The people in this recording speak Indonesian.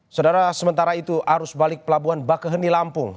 saudara sementara itu arus balik pelabuhan bakaheni lampung